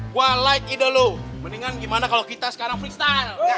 qual like ide lo mendingan gimana kalau kita sekarang freestyle